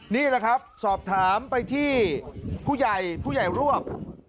นี่แหละครับสอบถามไปที่ผู้ใหญ่ผู้ใหญ่รวบ